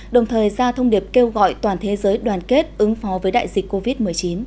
đồng thời ra thông điệp kêu gọi toàn thế giới đoàn kết ứng phó với đại dịch covid một mươi chín